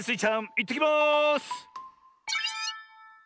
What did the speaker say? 「いってきます！」